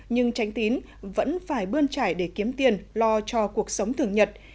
nhưng tránh tín vẫn phải bươn trải để kiếm tiền lo cho cuộc sống thường nhật